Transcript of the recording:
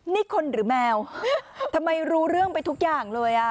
นี่คนหรือแมวทำไมรู้เรื่องไปทุกอย่างเลยอ่ะ